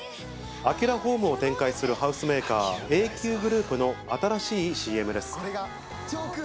アキュラホームを展開するハウスメーカー、ＡＱＧｒｏｕｐの新しいＣＭです。